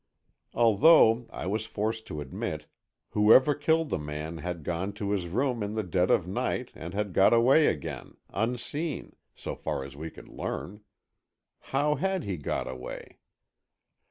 Although, I was forced to admit, whoever killed the man had gone to his room in the dead of night, and had got away again, unseen, so far as we could learn. How had he got away?